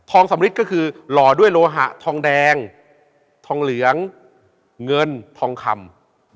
สำริดก็คือหล่อด้วยโลหะทองแดงทองเหลืองเงินทองคำ